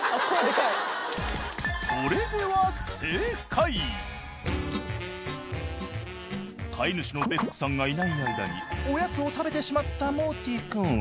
それでは飼い主のベックさんがいない間におやつを食べてしまったモーティ君。